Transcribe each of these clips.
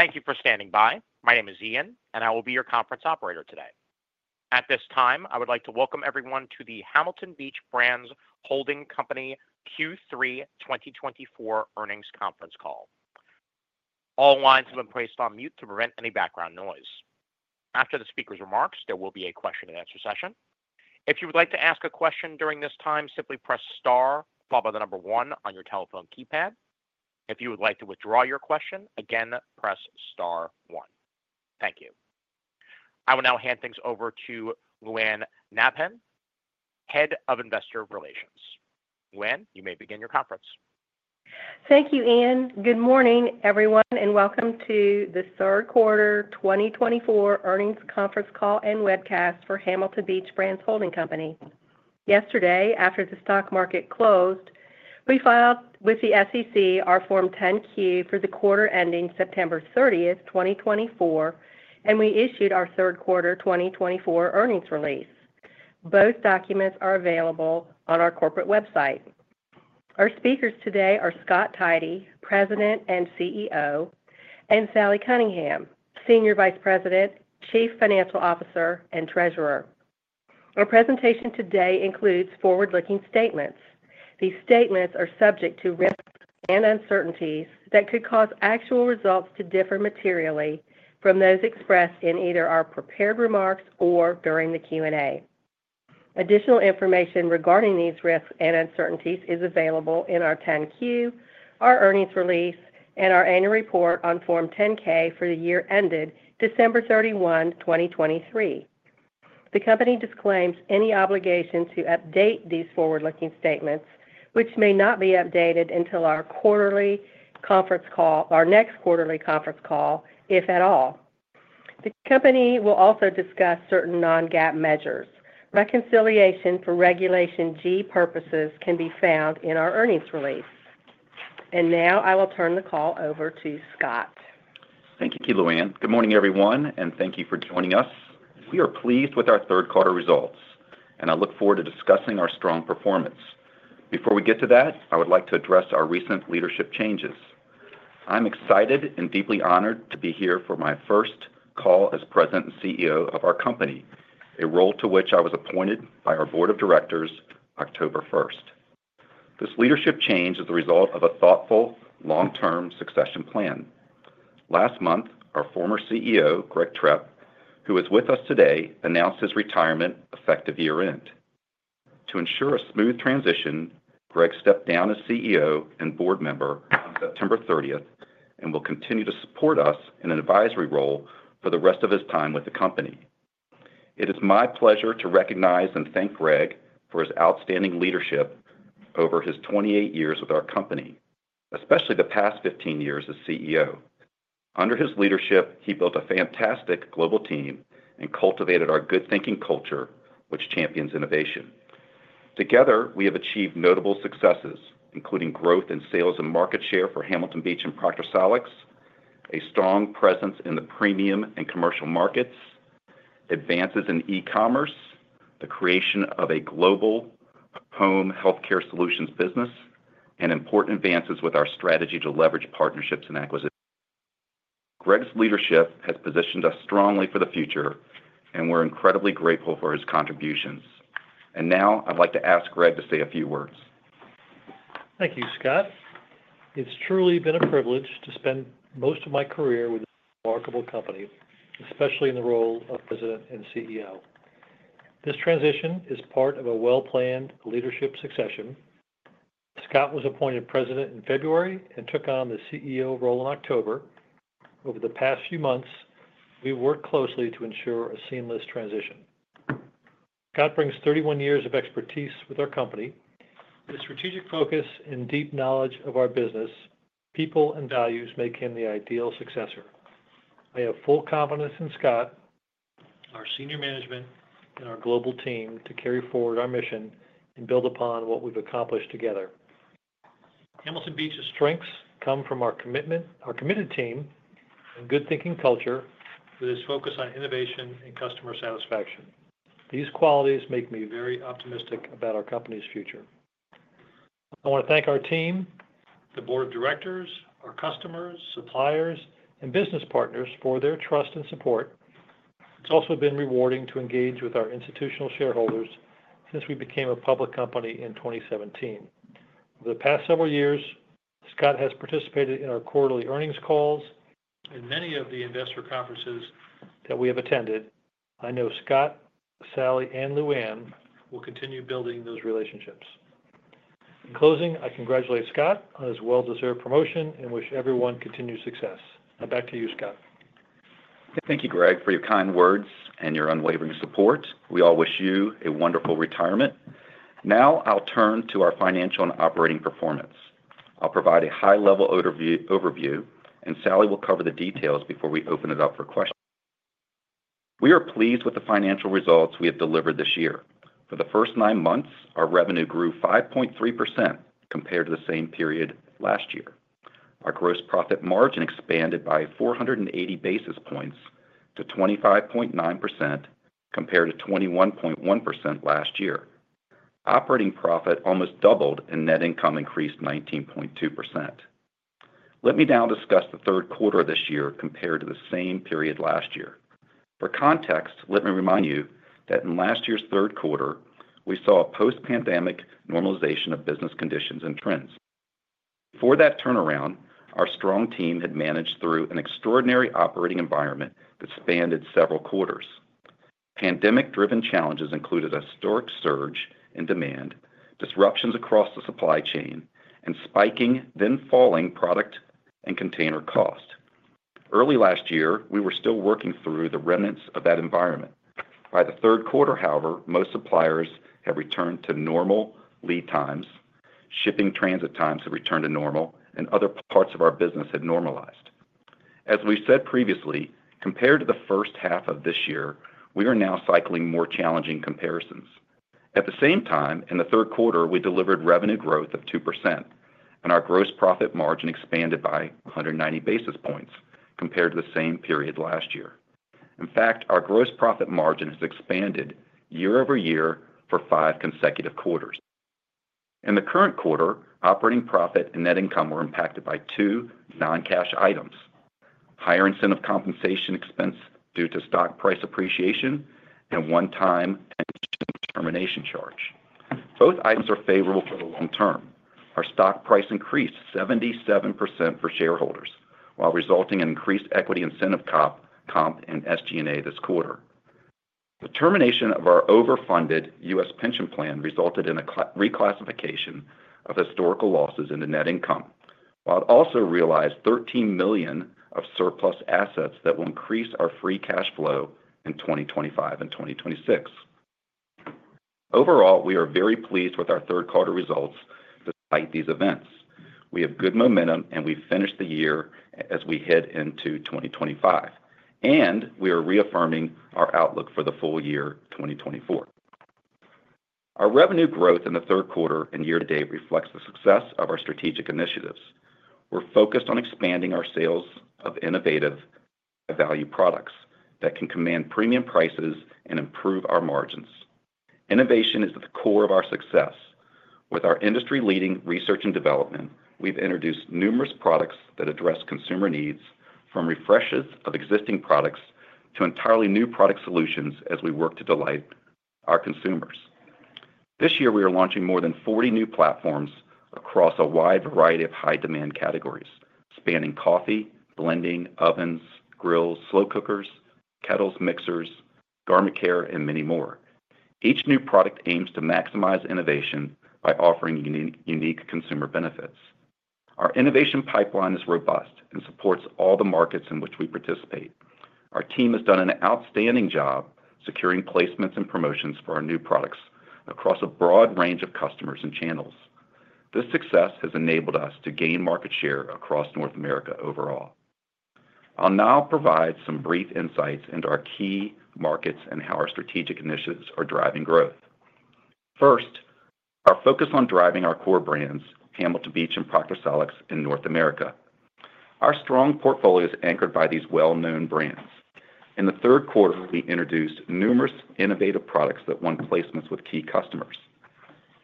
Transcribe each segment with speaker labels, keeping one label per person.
Speaker 1: Thank you for standing by. My name is Ian, and I will be your conference operator today. At this time, I would like to welcome everyone to the Hamilton Beach Brands Holding Company Q3 2024 Earnings Conference Call. All lines have been placed on mute to prevent any background noise. After the speaker's remarks, there will be a question-and-answer session. If you would like to ask a question during this time, simply press star followed by the number one on your telephone keypad. If you would like to withdraw your question, again, press star one. Thank you. I will now hand things over to Lou Anne Nabhan, Head of Investor Relations. Lou Anne, you may begin your conference.
Speaker 2: Thank you, Ian. Good morning, everyone, and welcome to the Third Quarter 2024 Earnings Conference Call and webcast for Hamilton Beach Brands Holding Company. Yesterday, after the stock market closed, we filed with the SEC our Form 10-Q for the quarter ending September 30, 2024, and we issued our third quarter 2024 earnings release. Both documents are available on our corporate website. Our speakers today are Scott Tidey, President and CEO, and Sally Cunningham, Senior Vice President, Chief Financial Officer, and Treasurer. Our presentation today includes forward-looking statements. These statements are subject to risks and uncertainties that could cause actual results to differ materially from those expressed in either our prepared remarks or during the Q&A. Additional information regarding these risks and uncertainties is available in our 10-Q, our earnings release, and our annual report on Form 10-K for the year ended December 31, 2023. The company disclaims any obligation to update these forward-looking statements, which may not be updated until our next quarterly conference call, if at all. The company will also discuss certain non-GAAP measures. Reconciliation for Regulation G purposes can be found in our earnings release. And now I will turn the call over to Scott.
Speaker 3: Thank you, Lou Anne Nabhan. Good morning, everyone, and thank you for joining us. We are pleased with our third quarter results, and I look forward to discussing our strong performance. Before we get to that, I would like to address our recent leadership changes. I'm excited and deeply honored to be here for my first call as President and CEO of our company, a role to which I was appointed by our Board of Directors October 1. This leadership change is the result of a thoughtful, long-term succession plan. Last month, our former CEO, Greg Trepp, who is with us today, announced his retirement effective year-end. To ensure a smooth transition, Greg stepped down as CEO and board member on September 30 and will continue to support us in an advisory role for the rest of his time with the company. It is my pleasure to recognize and thank Greg for his outstanding leadership over his 28 years with our company, especially the past 15 years as CEO. Under his leadership, he built a fantastic global team and cultivated our good-thinking culture, which champions innovation. Together, we have achieved notable successes, including growth in sales and market share for Hamilton Beach and Proctor Silex, a strong presence in the premium and commercial markets, advances in e-commerce, the creation of a global home healthcare solutions business, and important advances with our strategy to leverage partnerships and acquisitions. Greg's leadership has positioned us strongly for the future, and we're incredibly grateful for his contributions, and now I'd like to ask Greg to say a few words.
Speaker 4: Thank you, Scott. It's truly been a privilege to spend most of my career with this remarkable company, especially in the role of President and CEO. This transition is part of a well-planned leadership succession. Scott was appointed President in February and took on the CEO role in October. Over the past few months, we've worked closely to ensure a seamless transition. Scott brings 31 years of expertise with our company. His strategic focus and deep knowledge of our business, people, and values make him the ideal successor. I have full confidence in Scott, our senior management, and our global team to carry forward our mission and build upon what we've accomplished together. Hamilton Beach's strengths come from our committed team and good-thinking culture with its focus on innovation and customer satisfaction. These qualities make me very optimistic about our company's future. I want to thank our team, the Board of Directors, our customers, suppliers, and business partners for their trust and support. It's also been rewarding to engage with our institutional shareholders since we became a public company in 2017. Over the past several years, Scott has participated in our quarterly earnings calls and many of the investor conferences that we have attended. I know Scott, Sally, and Lou Anne will continue building those relationships. In closing, I congratulate Scott on his well-deserved promotion and wish everyone continued success. Now back to you, Scott.
Speaker 3: Thank you, Greg, for your kind words and your unwavering support. We all wish you a wonderful retirement. Now I'll turn to our financial and operating performance. I'll provide a high-level overview, and Sally will cover the details before we open it up for questions. We are pleased with the financial results we have delivered this year. For the first nine months, our revenue grew 5.3% compared to the same period last year. Our gross profit margin expanded by 480 basis points to 25.9% compared to 21.1% last year. Operating profit almost doubled and net income increased 19.2%. Let me now discuss the third quarter of this year compared to the same period last year. For context, let me remind you that in last year's third quarter, we saw a post-pandemic normalization of business conditions and trends. Before that turnaround, our strong team had managed through an extraordinary operating environment that spanned several quarters. Pandemic-driven challenges included a historic surge in demand, disruptions across the supply chain, and spiking, then falling product and container cost. Early last year, we were still working through the remnants of that environment. By the third quarter, however, most suppliers had returned to normal lead times, shipping transit times had returned to normal, and other parts of our business had normalized. As we said previously, compared to the first half of this year, we are now cycling more challenging comparisons. At the same time, in the third quarter, we delivered revenue growth of 2%, and our gross profit margin expanded by 190 basis points compared to the same period last year. In fact, our gross profit margin has expanded year-over-year for five consecutive quarters. In the current quarter, operating profit and net income were impacted by two non-cash items: higher incentive compensation expense due to stock price appreciation and one-time pension termination charge. Both items are favorable for the long term. Our stock price increased 77% for shareholders, while resulting in increased equity incentive comp and SG&A this quarter. The termination of our overfunded U.S. pension plan resulted in a reclassification of historical losses into net income, while it also realized $13 million of surplus assets that will increase our free cash flow in 2025 and 2026. Overall, we are very pleased with our third-quarter results despite these events. We have good momentum, and we finished the year as we head into 2025, and we are reaffirming our outlook for the full year 2024. Our revenue growth in the third quarter and year-to-date reflects the success of our strategic initiatives. We're focused on expanding our sales of innovative value products that can command premium prices and improve our margins. Innovation is at the core of our success. With our industry-leading research and development, we've introduced numerous products that address consumer needs, from refreshes of existing products to entirely new product solutions as we work to delight our consumers. This year, we are launching more than 40 new platforms across a wide variety of high-demand categories, spanning coffee, blending, ovens, grills, slow cookers, kettles, mixers, garment care, and many more. Each new product aims to maximize innovation by offering unique consumer benefits. Our innovation pipeline is robust and supports all the markets in which we participate. Our team has done an outstanding job securing placements and promotions for our new products across a broad range of customers and channels. This success has enabled us to gain market share across North America overall. I'll now provide some brief insights into our key markets and how our strategic initiatives are driving growth. First, our focus on driving our core brands, Hamilton Beach and Proctor Silex, in North America. Our strong portfolio is anchored by these well-known brands. In the third quarter, we introduced numerous innovative products that won placements with key customers.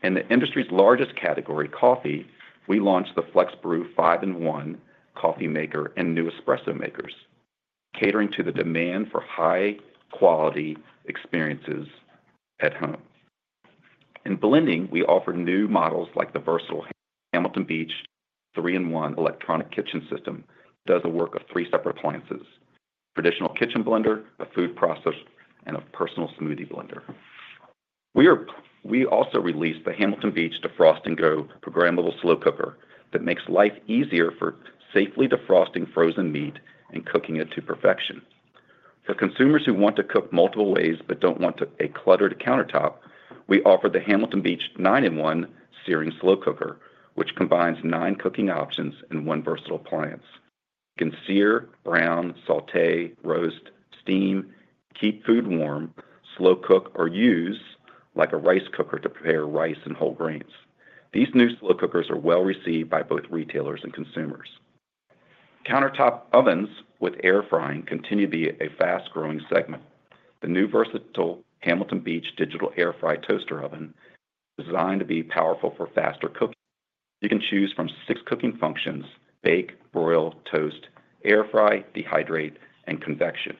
Speaker 3: In the industry's largest category, coffee, we launched the FlexBrew 5-in-1 coffee maker and new espresso makers, catering to the demand for high-quality experiences at home. In blending, we offered new models like the versatile Hamilton Beach 3-in-1 electric kitchen system that does the work of three separate appliances: a traditional kitchen blender, a food processor, and a personal smoothie blender. We also released the Hamilton Beach Defrost & Go programmable slow cooker that makes life easier for safely defrosting frozen meat and cooking it to perfection. For consumers who want to cook multiple ways but don't want a cluttered countertop, we offer the Hamilton Beach 9-in-1 Searing Slow Cooker, which combines nine cooking options in one versatile appliance. You can sear, brown, sauté, roast, steam, keep food warm, slow cook, or use like a rice cooker to prepare rice and whole grains. These new slow cookers are well received by both retailers and consumers. Countertop ovens with air frying continue to be a fast-growing segment. The new versatile Hamilton Beach digital air fry toaster oven is designed to be powerful for faster cooking. You can choose from six cooking functions: bake, broil, toast, air fry, dehydrate, and convection.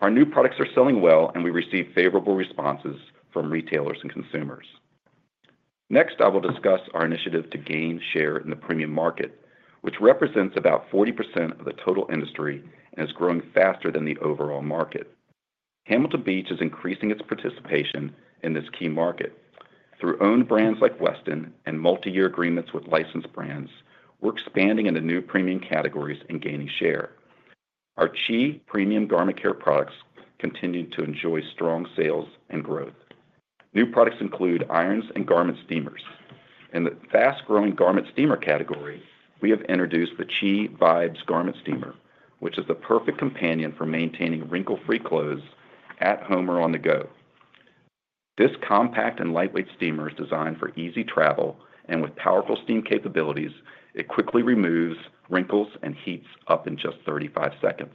Speaker 3: Our new products are selling well, and we receive favorable responses from retailers and consumers. Next, I will discuss our initiative to gain share in the premium market, which represents about 40% of the total industry and is growing faster than the overall market. Hamilton Beach is increasing its participation in this key market. Through owned brands like Weston and multi-year agreements with licensed brands, we're expanding into new premium categories and gaining share. Our CHI premium garment care products continue to enjoy strong sales and growth. New products include irons and garment steamers. In the fast-growing garment steamer category, we have introduced the CHI Vibes garment steamer, which is the perfect companion for maintaining wrinkle-free clothes at home or on the go. This compact and lightweight steamer is designed for easy travel and with powerful steam capabilities. It quickly removes wrinkles and heats up in just 35 seconds.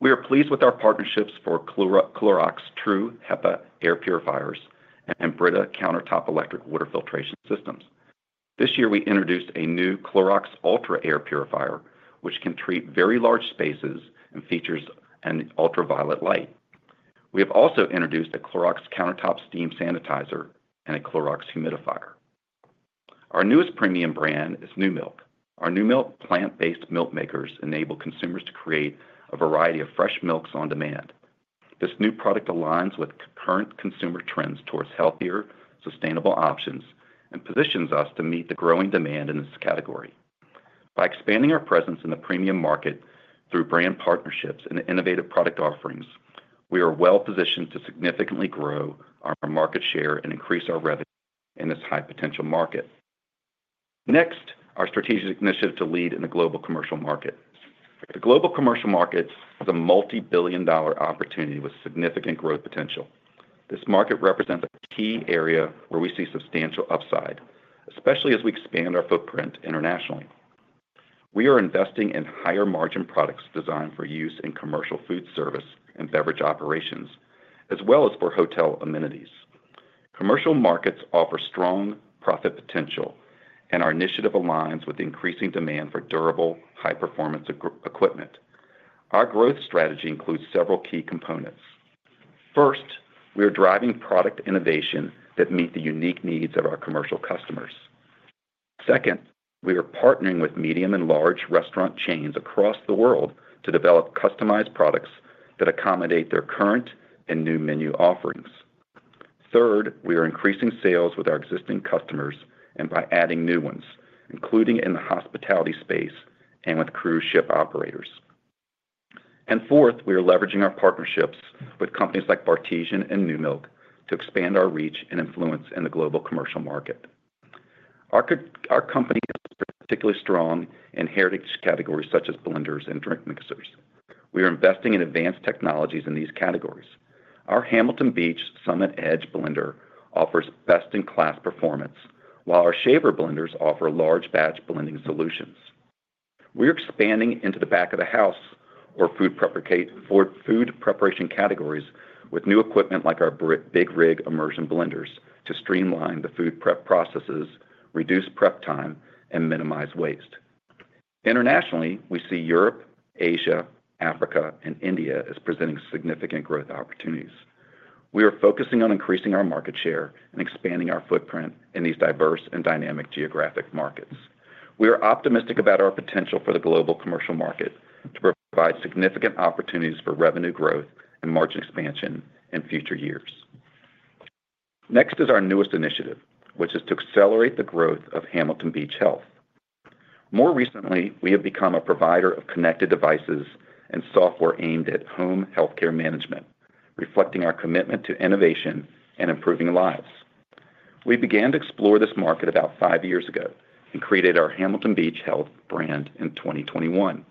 Speaker 3: We are pleased with our partnerships for Clorox True HEPA air purifiers and Brita countertop electric water filtration systems. This year, we introduced a new Clorox Ultra air purifier, which can treat very large spaces and features ultraviolet light. We have also introduced a Clorox countertop steam sanitizer and a Clorox humidifier. Our newest premium brand is Numilk. Our Numilk plant-based milk makers enable consumers to create a variety of fresh milks on demand. This new product aligns with current consumer trends towards healthier, sustainable options and positions us to meet the growing demand in this category. By expanding our presence in the premium market through brand partnerships and innovative product offerings, we are well positioned to significantly grow our market share and increase our revenue in this high-potential market. Next, our strategic initiative to lead in the global commercial market. The global commercial market is a multi-billion dollar opportunity with significant growth potential. This market represents a key area where we see substantial upside, especially as we expand our footprint internationally. We are investing in higher-margin products designed for use in commercial food service and beverage operations, as well as for hotel amenities. Commercial markets offer strong profit potential, and our initiative aligns with increasing demand for durable, high-performance equipment. Our growth strategy includes several key components. First, we are driving product innovation that meets the unique needs of our commercial customers. Second, we are partnering with medium and large restaurant chains across the world to develop customized products that accommodate their current and new menu offerings. Third, we are increasing sales with our existing customers and by adding new ones, including in the hospitality space and with cruise ship operators. Fourth, we are leveraging our partnerships with companies like Bartesian and Numilk to expand our reach and influence in the global commercial market. Our company is particularly strong in heritage categories such as blenders and drink mixers. We are investing in advanced technologies in these categories. Our Hamilton Beach Summit Edge blender offers best-in-class performance, while our Shaver blenders offer large-batch blending solutions. We are expanding into the back of the house for food preparation categories with new equipment like our Big Rig immersion blenders to streamline the food prep processes, reduce prep time, and minimize waste. Internationally, we see Europe, Asia, Africa, and India as presenting significant growth opportunities. We are focusing on increasing our market share and expanding our footprint in these diverse and dynamic geographic markets. We are optimistic about our potential for the global commercial market to provide significant opportunities for revenue growth and margin expansion in future years. Next is our newest initiative, which is to accelerate the growth of Hamilton Beach Health. More recently, we have become a provider of connected devices and software aimed at home healthcare management, reflecting our commitment to innovation and improving lives. We began to explore this market about five years ago and created our Hamilton Beach Health brand in 2021.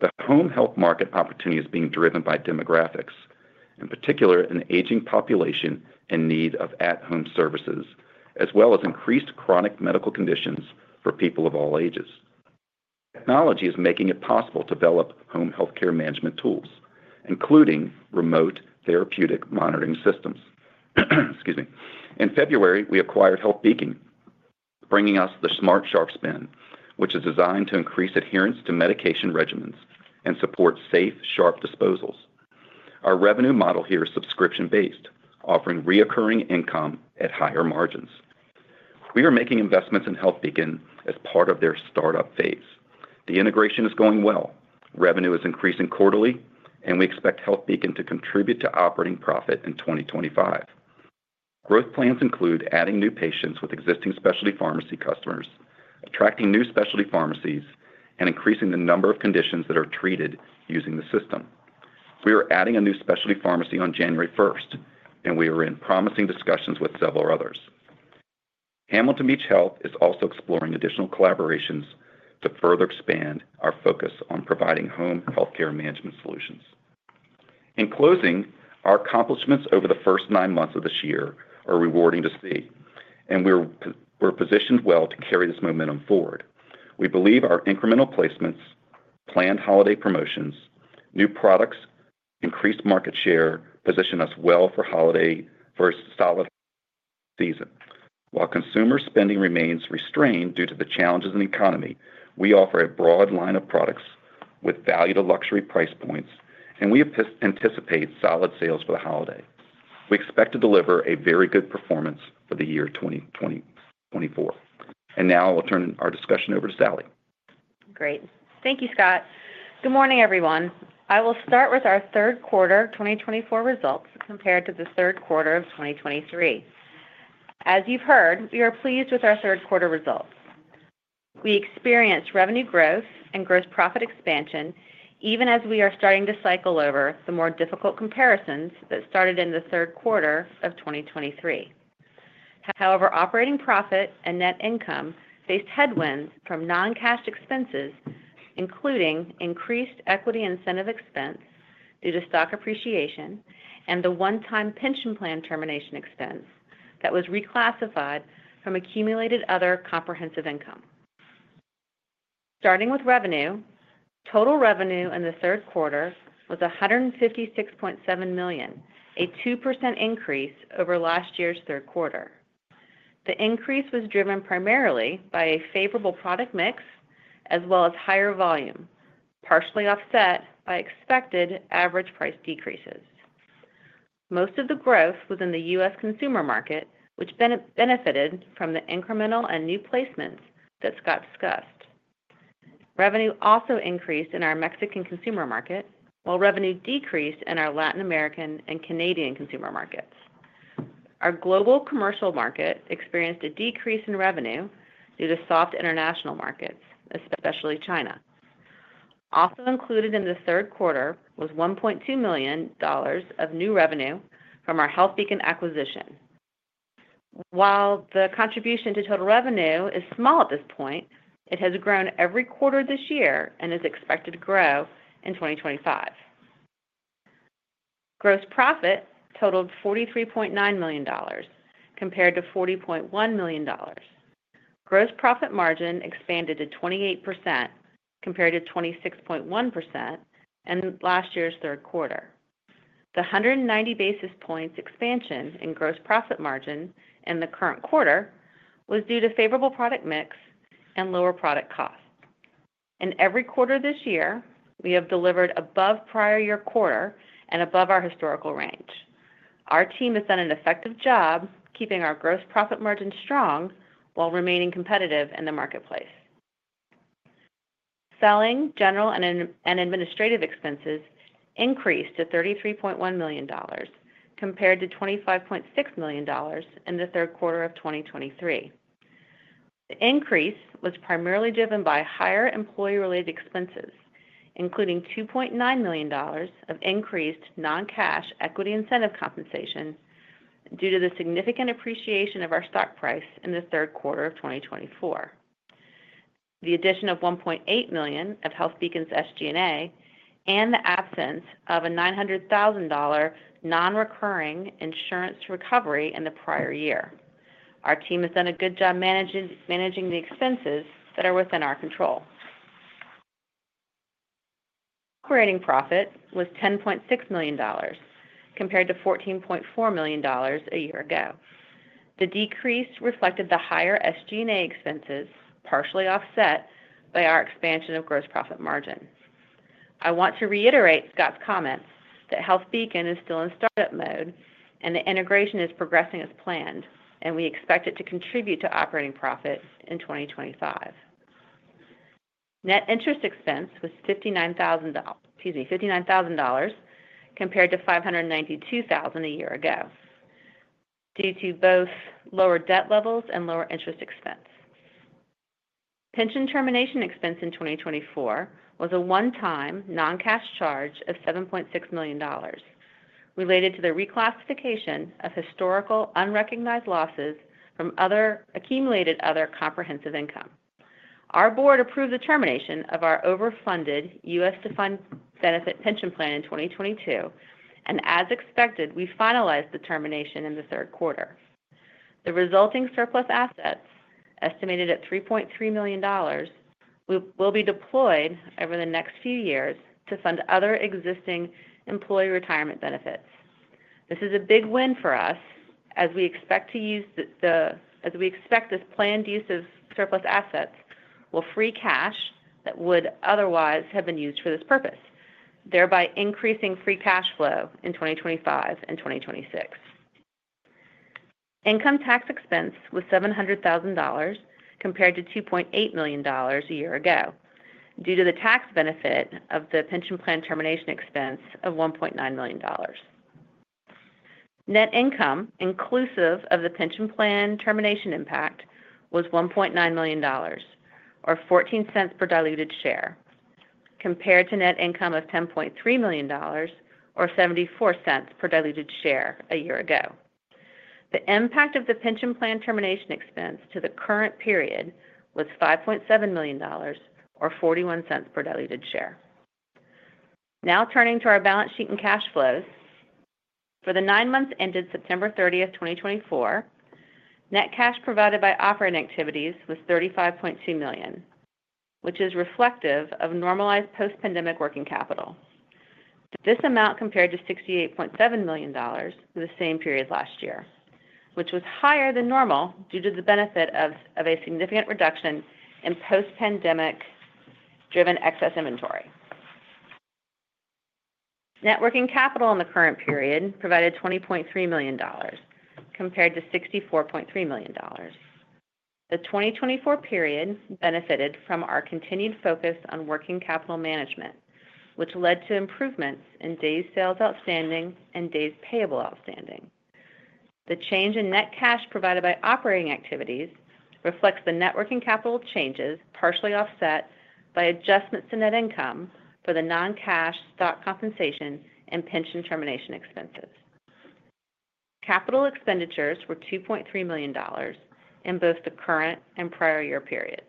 Speaker 3: The home health market opportunity is being driven by demographics, in particular an aging population in need of at-home services, as well as increased chronic medical conditions for people of all ages. Technology is making it possible to develop home healthcare management tools, including remote therapeutic monitoring systems. Excuse me. In February, we acquired HealthBeacon, bringing us the Smart Sharps Bin, which is designed to increase adherence to medication regimens and support safe, sharps disposals. Our revenue model here is subscription-based, offering recurring income at higher margins. We are making investments in HealthBeacon as part of their startup phase. The integration is going well. Revenue is increasing quarterly, and we expect HealthBeacon to contribute to operating profit in 2025. Growth plans include adding new patients with existing specialty pharmacy customers, attracting new specialty pharmacies, and increasing the number of conditions that are treated using the system. We are adding a new specialty pharmacy on January 1st, and we are in promising discussions with several others. Hamilton Beach Health is also exploring additional collaborations to further expand our focus on providing home healthcare management solutions. In closing, our accomplishments over the first nine months of this year are rewarding to see, and we're positioned well to carry this momentum forward. We believe our incremental placements, planned holiday promotions, new products, and increased market share position us well for a solid season. While consumer spending remains restrained due to the challenges in the economy, we offer a broad line of products with value-to-luxury price points, and we anticipate solid sales for the holiday. We expect to deliver a very good performance for the year 2024, and now I'll turn our discussion over to Sally.
Speaker 5: Great. Thank you, Scott. Good morning, everyone. I will start with our third quarter 2024 results compared to the third quarter of 2023. As you've heard, we are pleased with our third quarter results. We experienced revenue growth and gross profit expansion, even as we are starting to cycle over the more difficult comparisons that started in the third quarter of 2023. However, operating profit and net income faced headwinds from non-cash expenses, including increased equity incentive expense due to stock appreciation and the one-time pension plan termination expense that was reclassified from accumulated other comprehensive income. Starting with revenue, total revenue in the third quarter was $156.7 million, a 2% increase over last year's third quarter. The increase was driven primarily by a favorable product mix as well as higher volume, partially offset by expected average price decreases. Most of the growth was in the U.S. consumer market, which benefited from the incremental and new placements that Scott discussed. Revenue also increased in our Mexican consumer market, while revenue decreased in our Latin American and Canadian consumer markets. Our global commercial market experienced a decrease in revenue due to soft international markets, especially China. Also included in the third quarter was $1.2 million of new revenue from our HealthBeacon acquisition. While the contribution to total revenue is small at this point, it has grown every quarter this year and is expected to grow in 2025. Gross profit totaled $43.9 million, compared to $40.1 million. Gross profit margin expanded to 28%, compared to 26.1% in last year's third quarter. The 190 basis points expansion in gross profit margin in the current quarter was due to favorable product mix and lower product costs. In every quarter this year, we have delivered above prior year quarter and above our historical range. Our team has done an effective job keeping our gross profit margin strong while remaining competitive in the marketplace. Selling, general, and administrative expenses increased to $33.1 million, compared to $25.6 million in the third quarter of 2023. The increase was primarily driven by higher employee-related expenses, including $2.9 million of increased non-cash equity incentive compensation due to the significant appreciation of our stock price in the third quarter of 2024, the addition of $1.8 million of HealthBeacon's SG&A and the absence of a $900,000 non-recurring insurance recovery in the prior year. Our team has done a good job managing the expenses that are within our control. Operating profit was $10.6 million, compared to $14.4 million a year ago. The decrease reflected the higher SG&A expenses, partially offset by our expansion of gross profit margin. I want to reiterate Scott's comments that HealthBeacon is still in startup mode and the integration is progressing as planned, and we expect it to contribute to operating profit in 2025. Net interest expense was $59,000, excuse me, $59,000, compared to $592,000 a year ago due to both lower debt levels and lower interest expense. Pension termination expense in 2024 was a one-time non-cash charge of $7.6 million related to the reclassification of historical unrecognized losses from accumulated other comprehensive income. Our board approved the termination of our overfunded U.S. Defined Benefit Pension Plan in 2022, and as expected, we finalized the termination in the third quarter. The resulting surplus assets, estimated at $3.3 million, will be deployed over the next few years to fund other existing employee retirement benefits. This is a big win for us as we expect this planned use of surplus assets will free up cash that would otherwise have been used for this purpose, thereby increasing free cash flow in 2025 and 2026. Income tax expense was $700,000 compared to $2.8 million a year ago due to the tax benefit of the pension plan termination expense of $1.9 million. Net income inclusive of the pension plan termination impact was $1.9 million, or $0.14 per diluted share, compared to net income of $10.3 million, or $0.74 per diluted share a year ago. The impact of the pension plan termination expense to the current period was $5.7 million, or $0.41 per diluted share. Now turning to our balance sheet and cash flows. For the nine months ended September 30th, 2024, net cash provided by operating activities was $35.2 million, which is reflective of normalized post-pandemic working capital. This amount compared to $68.7 million for the same period last year, which was higher than normal due to the benefit of a significant reduction in post-pandemic-driven excess inventory. working capital in the current period provided $20.3 million, compared to $64.3 million. The 2024 period benefited from our continued focus on working capital management, which led to improvements in Days sales outstanding and Days payable outstanding. The change in net cash provided by operating activities reflects the net working capital changes partially offset by adjustments to net income for the non-cash stock compensation and pension termination expenses. Capital expenditures were $2.3 million in both the current and prior year periods.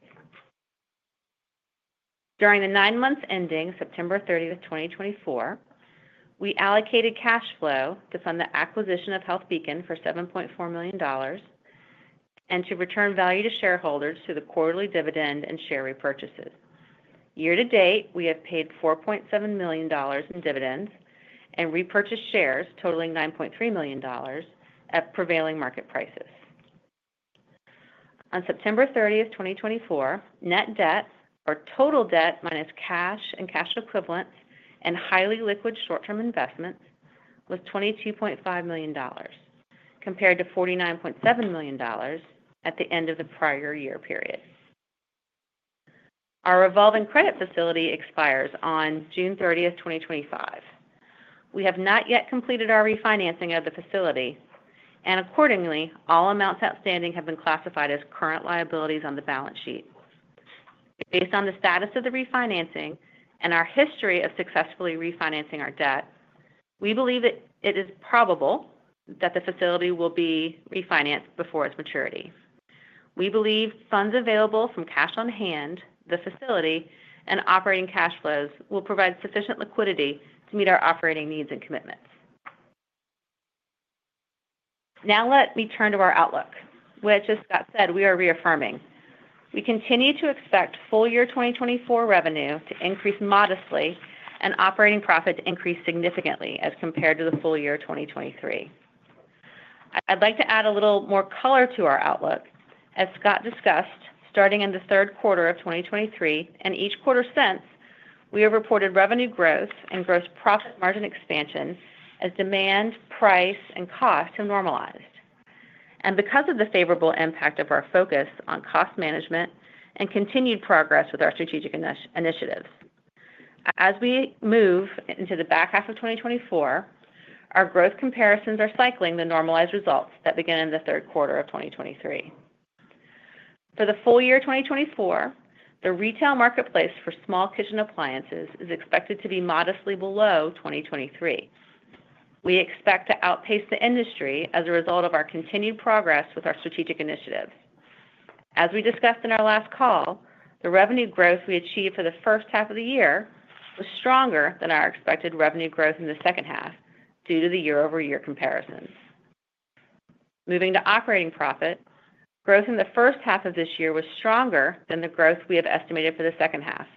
Speaker 5: During the nine months ending September 30th, 2024, we allocated cash flow to fund the acquisition of HealthBeacon for $7.4 million and to return value to shareholders through the quarterly dividend and share repurchases. Year-to-date, we have paid $4.7 million in dividends and repurchased shares totaling $9.3 million at prevailing market prices. On September 30th, 2024, Net debt, or total debt minus cash and cash equivalents and highly liquid short-term investments, was $22.5 million, compared to $49.7 million at the end of the prior year period. Our revolving credit facility expires on June 30th, 2025. We have not yet completed our refinancing of the facility, and accordingly, all amounts outstanding have been classified as current liabilities on the balance sheet. Based on the status of the refinancing and our history of successfully refinancing our debt, we believe that it is probable that the facility will be refinanced before its maturity. We believe funds available from cash on hand, the facility, and operating cash flows will provide sufficient liquidity to meet our operating needs and commitments. Now let me turn to our outlook, which, as Scott said, we are reaffirming. We continue to expect full year 2024 revenue to increase modestly and operating profit to increase significantly as compared to the full year 2023. I'd like to add a little more color to our outlook. As Scott discussed, starting in the third quarter of 2023 and each quarter since, we have reported revenue growth and gross profit margin expansion as demand, price, and cost have normalized, and because of the favorable impact of our focus on cost management and continued progress with our strategic initiatives. As we move into the back half of 2024, our growth comparisons are cycling the normalized results that began in the third quarter of 2023. For the full year 2024, the retail marketplace for small kitchen appliances is expected to be modestly below 2023. We expect to outpace the industry as a result of our continued progress with our strategic initiatives. As we discussed in our last call, the revenue growth we achieved for the first half of the year was stronger than our expected revenue growth in the second half due to the year-over-year comparisons. Moving to operating profit, growth in the first half of this year was stronger than the growth we have estimated for the second half,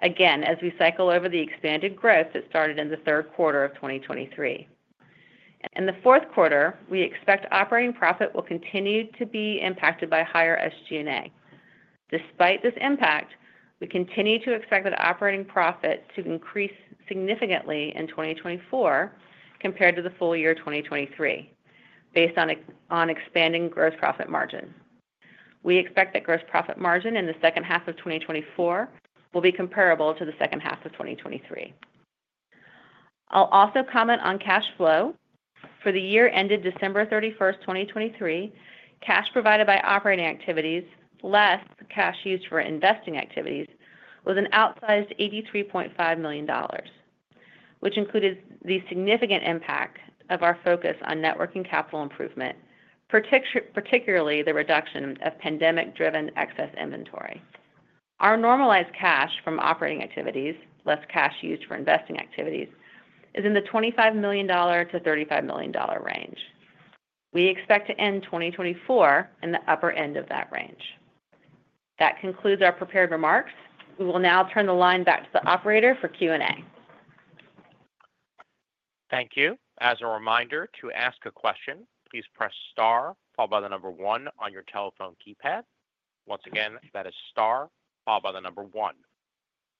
Speaker 5: again as we cycle over the expanded growth that started in the third quarter of 2023. In the fourth quarter, we expect operating profit will continue to be impacted by higher SG&A. Despite this impact, we continue to expect that operating profit to increase significantly in 2024 compared to the full year 2023, based on expanding gross profit margin. We expect that gross profit margin in the second half of 2024 will be comparable to the second half of 2023. I'll also comment on cash flow. For the year ended December 31st, 2023, cash provided by operating activities less cash used for investing activities was an outsized $83.5 million, which included the significant impact of our focus on net working capital improvement, particularly the reduction of pandemic-driven excess inventory. Our normalized cash from operating activities, less cash used for investing activities, is in the $25-$35 million range. We expect to end 2024 in the upper end of that range. That concludes our prepared remarks. We will now turn the line back to the operator for Q&A.
Speaker 1: Thank you. As a reminder, to ask a question, please press Star, followed by the number one on your telephone keypad. Once again, that is Star, followed by the number one.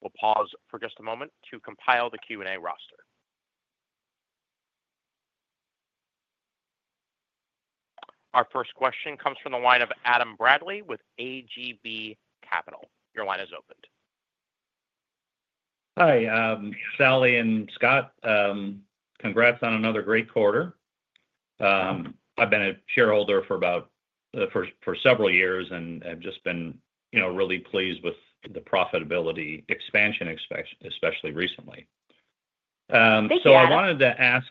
Speaker 1: We'll pause for just a moment to compile the Q&A roster. Our first question comes from the line of Adam Bradley with AGB Capital. Your line is opened.
Speaker 6: Hi, Sally and Scott. Congrats on another great quarter. I've been a shareholder for several years and have just been really pleased with the profitability expansion, especially recently.
Speaker 5: Thank you, Adam.
Speaker 6: So I wanted to ask.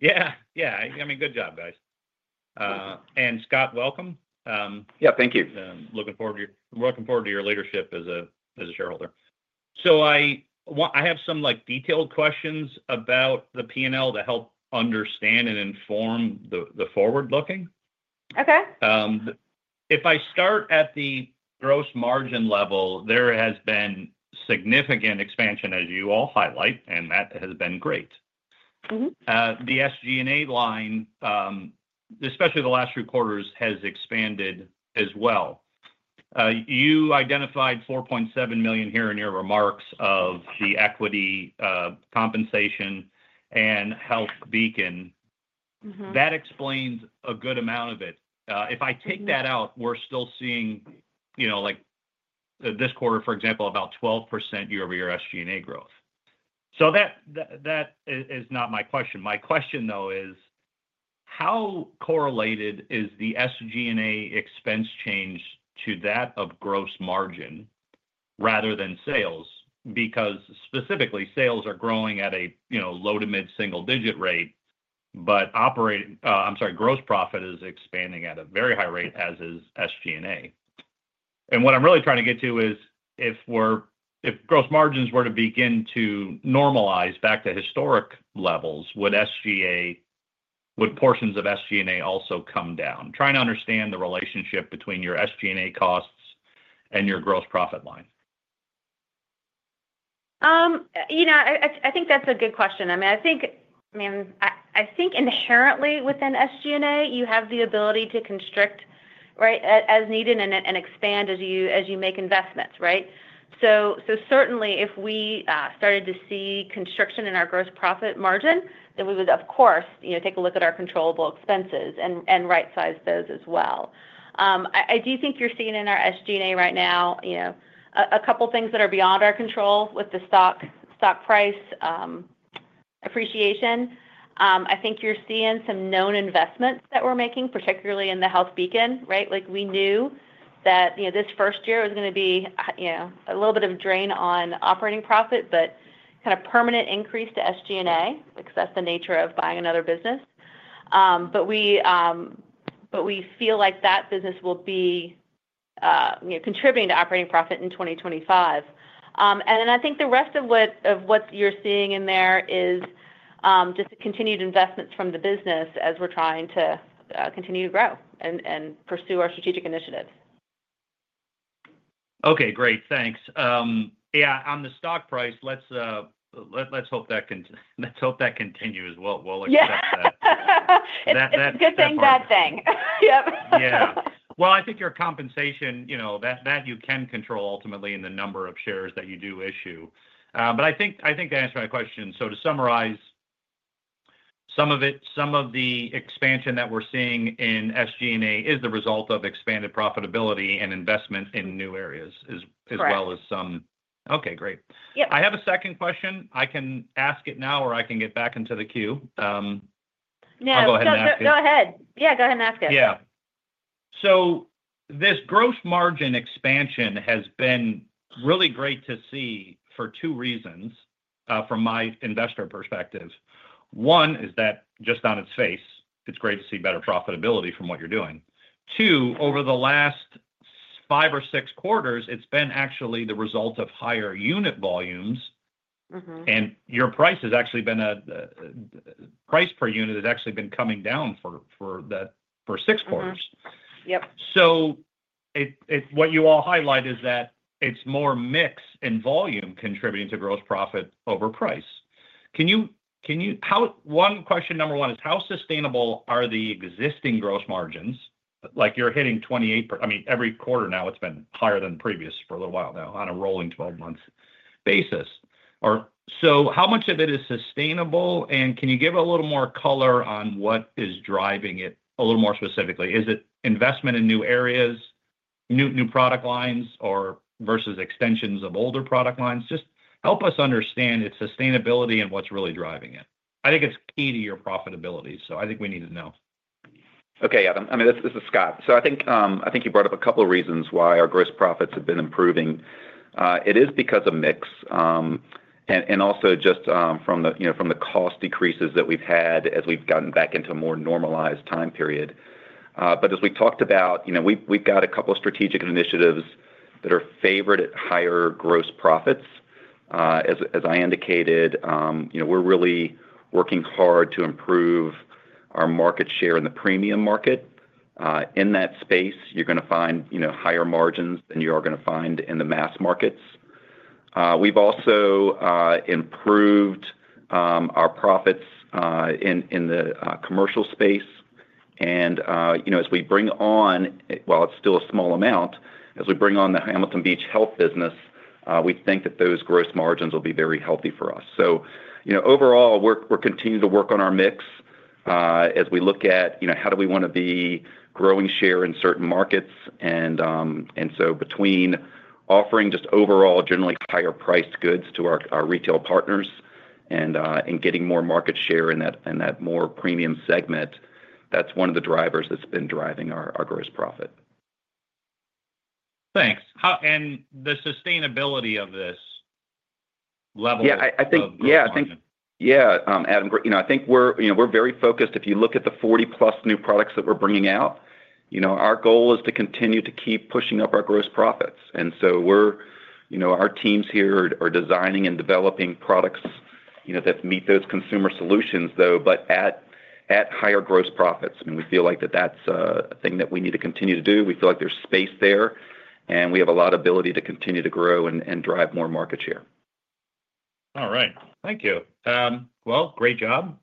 Speaker 6: Yeah, yeah. I mean, good job, guys. And Scott, welcome.
Speaker 3: Yeah, thank you.
Speaker 6: Looking forward to your leadership as a shareholder. So I have some detailed questions about the P&L to help understand and inform the forward-looking. Okay. If I start at the gross margin level, there has been significant expansion, as you all highlight, and that has been great. The SG&A line, especially the last few quarters, has expanded as well. You identified $4.7 million here in your remarks of the equity compensation and HealthBeacon. That explains a good amount of it.
Speaker 7: If I take that out, we're still seeing, this quarter, for example, about 12% year-over-year SG&A growth. So that is not my question. My question, though, is how correlated is the SG&A expense change to that of gross margin rather than sales? Because specifically, sales are growing at a low to mid-single-digit rate, but operating—I'm sorry—gross profit is expanding at a very high rate, as is SG&A. And what I'm really trying to get to is if gross margins were to begin to normalize back to historic levels, would portions of SG&A also come down? Trying to understand the relationship between your SG&A costs and your gross profit line.
Speaker 5: I think that's a good question. I mean, I think inherently within SG&A, you have the ability to constrict, right, as needed and expand as you make investments, right? So certainly, if we started to see constriction in our gross profit margin, then we would, of course, take a look at our controllable expenses and right-size those as well. I do think you're seeing in our SG&A right now a couple of things that are beyond our control with the stock price appreciation. I think you're seeing some known investments that we're making, particularly in the HealthBeacon, right? We knew that this first year was going to be a little bit of a drain on operating profit, but kind of permanent increase to SG&A, because that's the nature of buying another business. But we feel like that business will be contributing to operating profit in 2025. And then I think the rest of what you're seeing in there is just continued investments from the business as we're trying to continue to grow and pursue our strategic initiatives.
Speaker 6: Okay, great. Thanks. Yeah, on the stock price, let's hope that continues as well. We'll expect that.
Speaker 5: Yeah. It's a good thing, bad thing. Yep.
Speaker 6: Yeah. Well, I think your compensation, that you can control ultimately in the number of shares that you do issue. But I think that answered my question. So to summarize, some of the expansion that we're seeing in SG&A is the result of expanded profitability and investment in new areas, as well as some. Okay, great. I have a second question. I can ask it now, or I can get back into the queue. I'll go ahead and ask it.
Speaker 5: No, go ahead. Yeah, go ahead and ask it.
Speaker 6: Yeah. So this gross margin expansion has been really great to see for two reasons from my investor perspective. One is that just on its face, it's great to see better profitability from what you're doing. Two, over the last five or six quarters, it's been actually the result of higher unit volumes, and your price has actually been a price per unit has actually been coming down for six quarters. So what you all highlight is that it's more mix in volume contributing to gross profit over price. Can you—one question, number one is how sustainable are the existing gross margins? You're hitting 28%—I mean, every quarter now it's been higher than previous for a little while now on a rolling 12-month basis. So how much of it is sustainable, and can you give a little more color on what is driving it a little more specifically? Is it investment in new areas, new product lines, or versus extensions of older product lines? Just help us understand its sustainability and what's really driving it. I think it's key to your profitability, so I think we need to know.
Speaker 3: Okay, Adam. I mean, this is Scott. So I think you brought up a couple of reasons why our gross profits have been improving. It is because of mix and also just from the cost decreases that we've had as we've gotten back into a more normalized time period. But as we talked about, we've got a couple of strategic initiatives that are favored at higher gross profits. As I indicated, we're really working hard to improve our market share in the premium market. In that space, you're going to find higher margins than you are going to find in the mass markets. We've also improved our profits in the commercial space. As we bring on, well, it's still a small amount, as we bring on the Hamilton Beach Health business, we think that those gross margins will be very healthy for us. So overall, we're continuing to work on our mix as we look at how do we want to be growing share in certain markets. And so between offering just overall generally higher-priced goods to our retail partners and getting more market share in that more premium segment, that's one of the drivers that's been driving our gross profit.
Speaker 6: Thanks. And the sustainability of this level of growth.
Speaker 3: Yeah, I think, yeah, Adam, I think we're very focused. If you look at the 40+ new products that we're bringing out, our goal is to continue to keep pushing up our gross profits. And so our teams here are designing and developing products that meet those consumer solutions, though, but at higher gross profits. And we feel like that that's a thing that we need to continue to do. We feel like there's space there, and we have a lot of ability to continue to grow and drive more market share.
Speaker 6: All right. Thank you. Well, great job.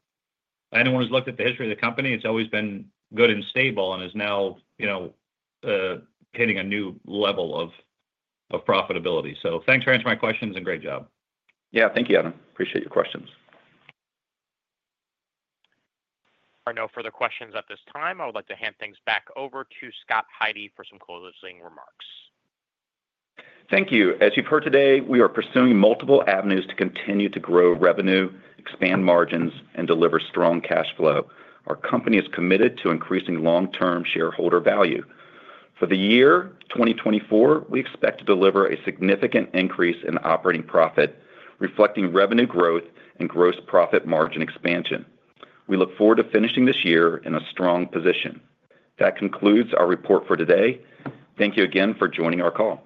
Speaker 6: Anyone who's looked at the history of the company, it's always been good and stable and is now hitting a new level of profitability. So thanks for answering my questions and great job.
Speaker 3: Yeah, thank you, Adam. Appreciate your questions.
Speaker 1: There are no further questions at this time. I would like to hand things back over to Scott Tidey for some closing remarks. Thank you.
Speaker 3: As you've heard today, we are pursuing multiple avenues to continue to grow revenue, expand margins, and deliver strong cash flow. Our company is committed to increasing long-term shareholder value. For the year 2024, we expect to deliver a significant increase in operating profit, reflecting revenue growth and gross profit margin expansion. We look forward to finishing this year in a strong position. That concludes our report for today. Thank you again for joining our call.